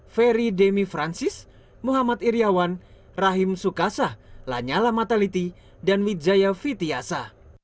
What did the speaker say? ferry demi francis muhammad iryawan rahim sukasa lanyala mataliti dan widjaya fitiasa